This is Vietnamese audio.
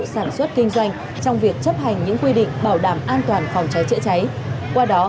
sản xuất kinh doanh trong việc chấp hành những quy định bảo đảm an toàn phòng cháy chữa cháy qua đó